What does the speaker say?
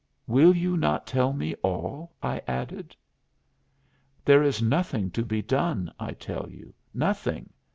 "Will you not tell me all?" I added. "There is nothing to be done, I tell you nothing.